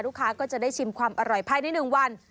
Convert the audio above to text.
ลูกค้าก็จะได้ชิมความอร่อยภายในหนึ่งวัน